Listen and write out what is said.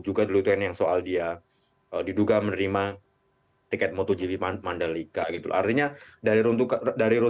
juga dulu tenang soal dia diduga menerima tiket motogp lima mandalika itu artinya dari runtukan dari